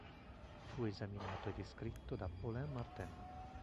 Fu esaminato e descritto da Paulin Martin.